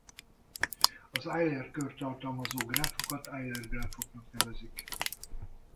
Az Euler-kört tartalmazó gráfokat Euler-gráfnak nevezik.